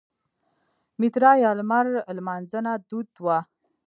میترا یا لمر لمانځنه دود وه